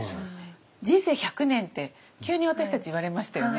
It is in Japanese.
「人生１００年」って急に私たち言われましたよね。